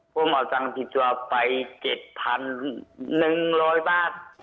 ผมเอาตังค์ติดตัวไป๗๑๐๐บาท